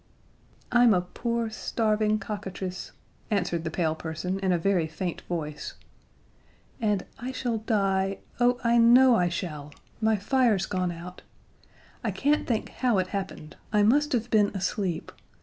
"I'm a poor starving cockatrice," answered the pale person in a very faint voice, "and I shall die oh, I know I shall! My fire's gone out! I can't think how it happened; I must have been asleep.